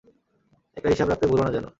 একটা হিসাব রাখতে ভুলো না যেন।